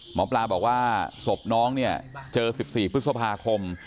หมอปลาบอกว่าศพน้องเนี่ยเจอ๑๔พฤษภาคม